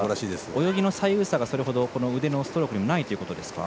泳ぎの左右差がそれほど腕のストロークにもないということですね。